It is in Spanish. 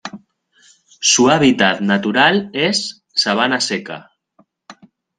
Su hábitat natural es:sabana seca